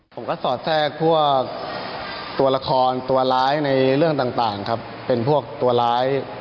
สอดแทรกพวกตัวละครตัวร้ายในเรื่องต่างครับเป็นพวกตัวร้าย